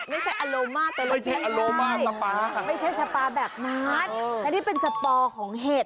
ไม่ใช่อโลมาตะลึงใช่ไม่ใช่สปาแบบนั้นอันนี้เป็นสปอของเห็ด